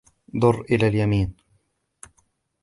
دُر إلى اليمين.